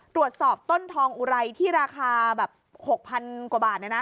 ตรวจสอบต้นทองอุไรที่ราคา๖๐๐๐กว่าบาท